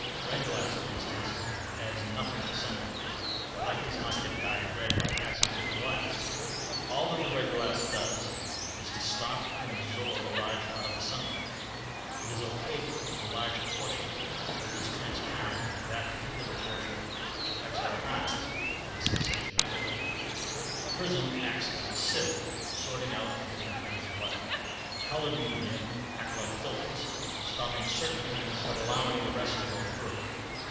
Red glass for instance adds nothing to sunlight. The light does not get dyed red by passing through the glass; all that the red glass does is to stop and absorb a large part of the sunlight; it is opaque to the larger portion, but it is transparent to that particular portion which affects our eyes with the sensation of red. The prism acts like a sieve sorting out the different kinds of light. Coloured media act like filters, stopping certain kinds but allowing the rest to go through.